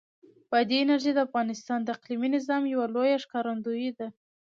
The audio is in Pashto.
بادي انرژي د افغانستان د اقلیمي نظام یوه لویه ښکارندوی ده.